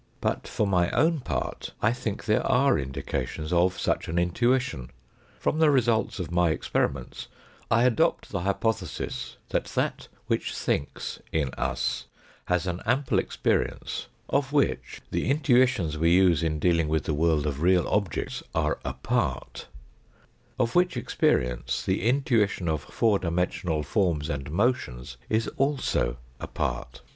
But for my own part, I think there are indications of such an intuition ; from the results of my experiments, I adopt the hypothesis that that which thinks in us has an ample experience, of which the intui tions we use in dealing with the world of real objects are a part; of which experience, the intuition of four dimensional forms and motions is also a part.